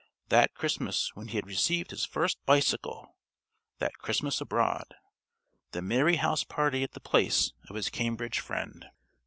That Christmas when he had received his first bicycle.... That Christmas abroad.... The merry house party at the place of his Cambridge friend....